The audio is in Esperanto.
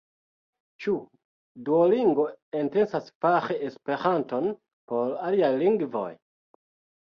Ĉu Duolingo intencas fari Esperanton por aliaj lingvoj?